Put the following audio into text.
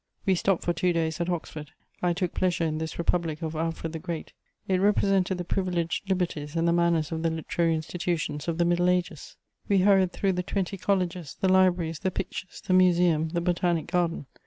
We stopped for two days at Oxford. I took pleasure in this republic of Alfred the Great; it represented the privileged liberties and the manners of the literary institutions of the Middle Ages. We hurried through the twenty colleges, the libraries, the pictures, the museum, the botanic garden.